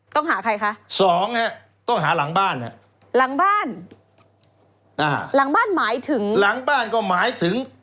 ต้องหาใครคะสองฮะต้องหาหลังบ้านฮะหลังบ้านอ่าหลังบ้านหมายถึงหลังบ้านก็หมายถึง